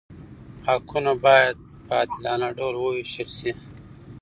حقونه باید په عادلانه ډول وویشل شي.